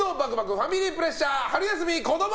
ファミリープレッシャー春休み子ども